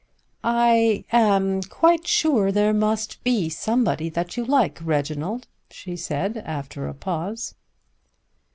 "I am quite sure there must be somebody that you like, Reginald," she said after a pause.